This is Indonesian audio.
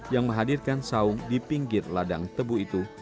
yang menghadirkan saung di pinggir ladang tebu itu